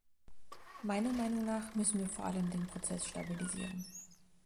Meiner Meinung nach müssen wir vor allem den Prozess stabilisieren.